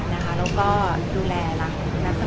และดูแลรักคุณนักสม